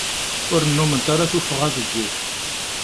Ur nnument ara tuffɣa deg iḍ.